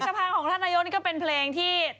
สะพานของท่านนายกนี่ก็เป็นเพลงที่